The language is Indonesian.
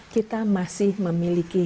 kita masih memiliki